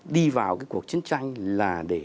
đi vào cái cuộc chiến tranh là để